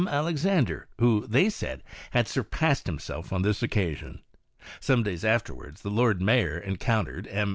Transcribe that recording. Alexandre, who, they said, had surpassed himself ou this occasion. Some days afterwards the Lord Mayor encountered M.